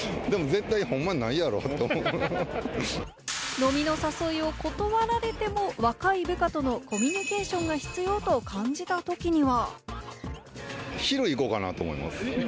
飲みの誘いを断られても、若い部下とのコミュニケーションが必要と感じたときには。